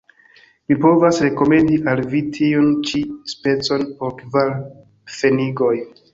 Mi povas rekomendi al vi tiun ĉi specon por kvar pfenigoj.